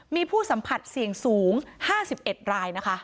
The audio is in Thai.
มีผู้สัมผัสเสี่ยงสูง๕๑รายนะคะ